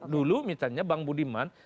dulu misalnya bang budiman